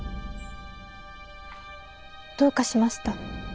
どうかしました？